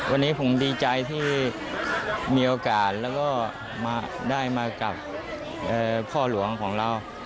วันนี้ผมดีใจที่มีโอกาสแล้วก็ได้มากับพ่อหลวงของเรา